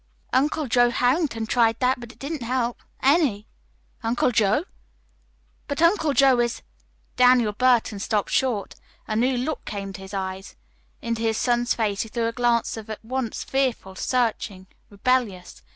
"Uncle Joe Harrington tried that, but it didn't help any." "Uncle Joe! But Uncle Joe is " Daniel Burton stopped short. A new look came to his eyes. Into his son's face he threw a glance at once fearful, searching, rebellious.